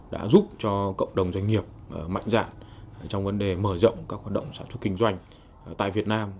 đã giúp cho cộng đồng doanh nghiệp mạnh dạn trong vấn đề mở rộng các hoạt động sản xuất kinh doanh tại việt nam